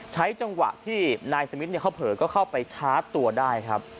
ใช้จังหวะที่นายสมิทเขาเผลอก็เข้าไปชาร์จตัวได้ครับ